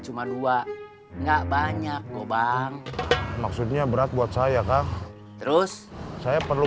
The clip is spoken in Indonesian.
cuma dua enggak banyak gobang maksudnya berat buat saya kang terus saya perlu